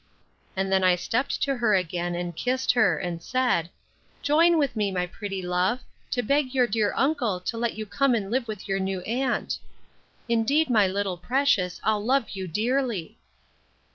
And then I stept to her again, and kissed her; and said, Join with me, my pretty love, to beg your dear uncle to let you come and live with your new aunt: Indeed, my little precious, I'll love you dearly.